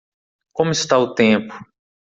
Como está o tempo?